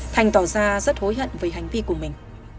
thành tỏ ra rất hối hận về hành vi của mình